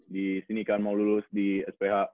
di sini kan mau lulus di sph